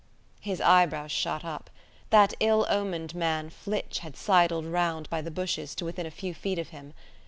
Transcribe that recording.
His eyebrows shot up. That ill omened man Flitch had sidled round by the bushes to within a few feet of him.